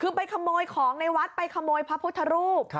คือไปขโมยของในวัดไปขโมยพระพุทธรูป